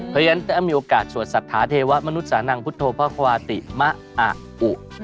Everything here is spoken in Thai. เพราะฉะนั้นถ้ามีโอกาสสวดศรัทธาเทวะมนุษานังพุทธพระควาติมะอะอุ